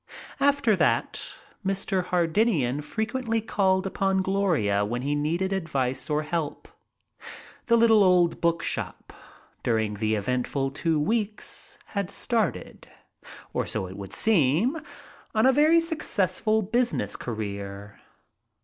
After that Mr. Hardinian frequently called upon Gloria when he needed advice or help. The little old book shop, during the eventful two weeks, had started, or so it would seem, on a very successful business career.